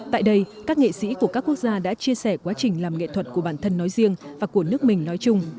tại đây các nghệ sĩ của các quốc gia đã chia sẻ quá trình làm nghệ thuật của bản thân nói riêng và của nước mình nói chung